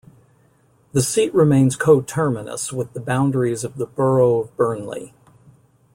The seat remains coterminous with the boundaries of the borough of Burnley.